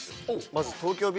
まず東京Ｂ